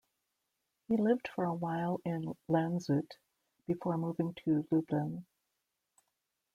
He lived for a while in Lantzut before moving to Lublin.